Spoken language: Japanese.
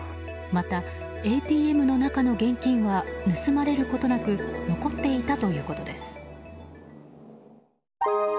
また、ＡＴＭの中の現金は盗まれることなく残っていたということです。